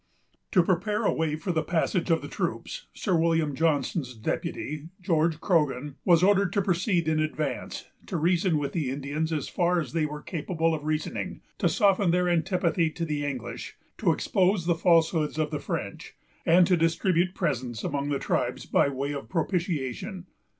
To prepare a way for the passage of the troops, Sir William Johnson's deputy, George Croghan, was ordered to proceed in advance, to reason with the Indians as far as they were capable of reasoning; to soften their antipathy to the English, to expose the falsehoods of the French, and to distribute presents among the tribes by way of propitiation.